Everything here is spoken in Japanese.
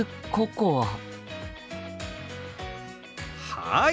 はい！